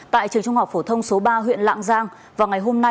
tại trường trung học của thông bản giang số ba